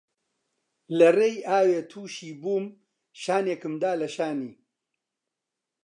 لە ڕێی ئاوێ تووشی بووم شانێکم دا لە شانی